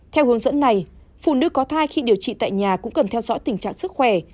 theo hướng dẫn này phụ nữ có thai khi điều trị tại nhà cũng cần theo dõi tình trạng sức khỏe